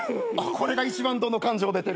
これが一番「怒」の感情出てる。